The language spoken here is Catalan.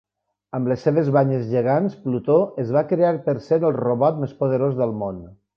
Amb les seves banyes gegants, Plutó es va crear per ser el robot més poderós del món.